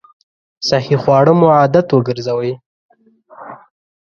صحي خواړه مو عادت وګرځوئ!